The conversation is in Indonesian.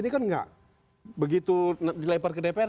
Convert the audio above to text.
ini kan enggak begitu dilepar ke dpr